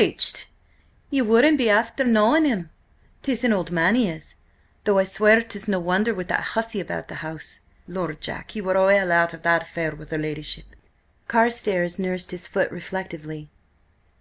"Aged! Ye wouldn't be afther knowing him! 'Tis an old man he is. Though I swear 'tis no wonder with that hussy about the house! Lord, Jack, you were well out of that affair with her ladyship!" Carstares nursed his foot reflectively.